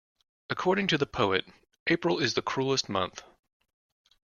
According to the poet, April is the cruellest month